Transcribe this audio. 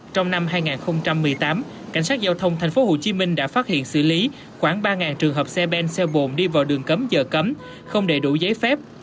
trong năm hai nghìn một mươi tám cảnh sát giao thông tp hcm đã phát hiện xử lý khoảng ba trường hợp xe ben xe bồn đi vào đường cấm giờ cấm không đầy đủ giấy phép